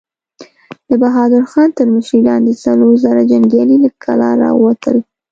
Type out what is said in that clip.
د بهادر خان تر مشرۍ لاندې څلور زره جنګيالي له کلا را ووتل.